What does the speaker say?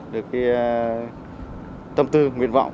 được cái tâm tư nguyện vọng